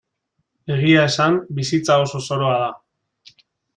Egia esan, bizitza oso zoroa da.